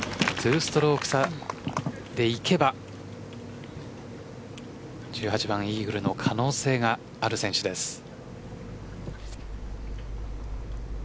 ２ストローク差でいけば１８番イーグルの可能性がある選手です。